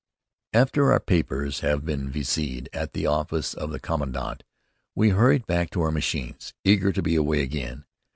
After our papers have been viséed at the office of the commandant, we hurried back to our machines, eager to be away again.